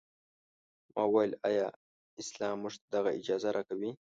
ما وویل ایا اسلام موږ ته دغه اجازه راکوي.